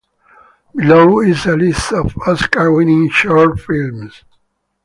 Below is a list of Oscar-winning short films.